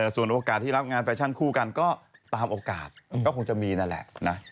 ส่วนโอกาสที่รับงานแฟชั่นคู่กันก็ตามโอกาสก็คงจะมีนั่นแหละนะ